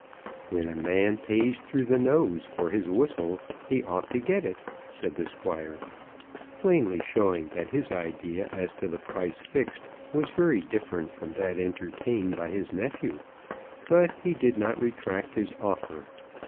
"When a man pays through the nose for his whistle, he ought to get it!" said the Squire, plainly showing that his idea as to the price fixed was very different from that entertained by his nephew. But he did not retract his offer.